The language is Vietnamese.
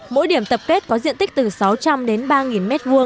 mỗi điểm tập kết có diện tích từ sáu trăm linh đến ba m hai